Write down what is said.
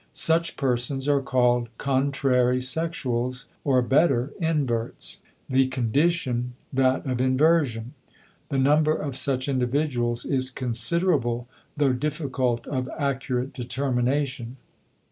Such persons are called contrary sexuals, or better, inverts; the condition, that of inversion. The number of such individuals is considerable though difficult of accurate determination.